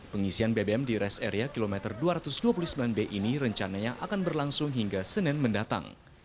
pengisian bbm di rest area kilometer dua ratus dua puluh sembilan b ini rencananya akan berlangsung hingga senin mendatang